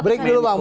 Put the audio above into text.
break dulu bang